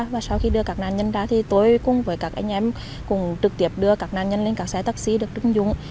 và sau khi đưa các nạn nhân ra thì tôi cùng với các anh em cũng trực tiếp đưa các nạn nhân lên các xe taxi được chứng dụng